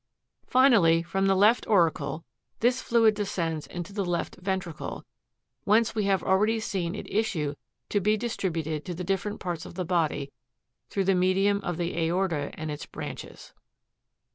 40. Finally, from the left auricle this fluid descends into the left ventricle, whence we have already seen it issue to be distributed to the different parts of the body, through the medium of the aorta and its branches.